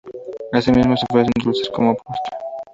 Asimismo, se ofrecen dulces como postre.